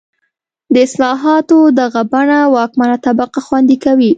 د اصلاحاتو دغه بڼه واکمنه طبقه خوندي کوي.